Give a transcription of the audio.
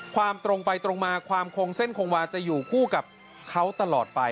ตรงไปตรงมาความคงเส้นคงวาจะอยู่คู่กับเขาตลอดไป